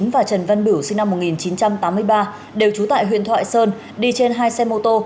và trần văn bửu sinh năm một nghìn chín trăm tám mươi ba đều trú tại huyện thoại sơn đi trên hai xe mô tô